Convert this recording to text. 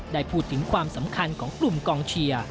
ได้พูดถึงความสำคัญของกลุ่มกองเชียร์